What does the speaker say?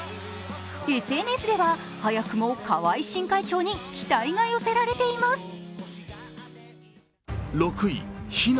ＳＮＳでは早くも川合新会長に期待が寄せられています。